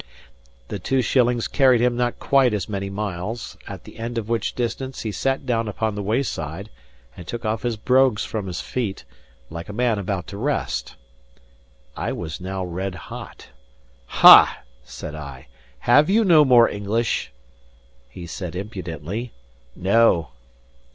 The two shillings carried him not quite as many miles; at the end of which distance, he sat down upon the wayside and took off his brogues from his feet, like a man about to rest. I was now red hot. "Ha!" said I, "have you no more English?" He said impudently, "No."